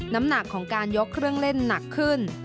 น้ำหนักของการยกเครื่องเล่นหนักขึ้น